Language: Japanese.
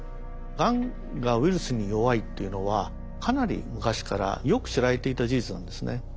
がんがウイルスに弱いっていうのはかなり昔からよく知られていた事実なんですね。